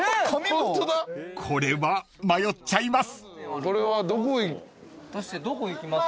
［これは迷っちゃいます］